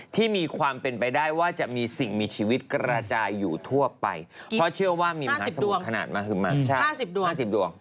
ที่มีความเป็นไปได้ว่าจะมีสิ่งมีชีวิตกระจายอยู่ทั่วไปเพราะเชื่อว่ามีมหาสมุทรขนาดมหาชาติ๕๐ดวง